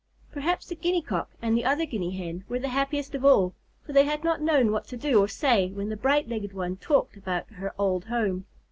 Perhaps the Guinea Cock and the other Guinea Hen were the happiest of all, for they had not known what to do or say when the bright legged one talked about her old home.